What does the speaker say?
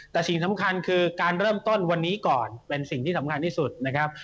แต่สิ่งสำคัญคือการเริ่มต้นวันนี้ก่อนเป็นสิ่งที่สำคัญที่สุดนะครับ